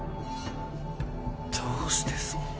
どうしてそんな。